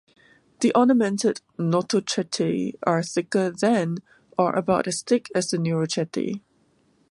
The ornamented notochaetae are thicker than or about as thick as the neurochaetae.